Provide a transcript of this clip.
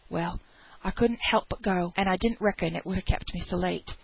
Well, I couldn't help but go; and I didn't reckon it would ha' kept me so late.